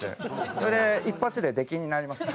それで一発で出禁になりました。